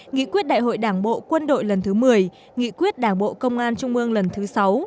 nghị quyết đại hội đảng bộ quân đội lần thứ một mươi nghị quyết đảng bộ công an trung ương lần thứ sáu